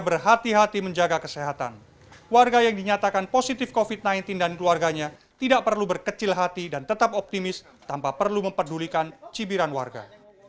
sebenarnya warga yang ditentukan positif covid sembilan belas tidak perlu berkecil hati dan tetap optimis tanpa perlu memperdulikan cibiran warga